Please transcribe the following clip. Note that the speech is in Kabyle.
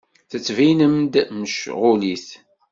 Tettbinem-d mecɣulit.